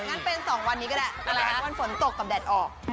งั้นเป็น๒วันนี้ก็ได้วันฝนตกกับแดดออก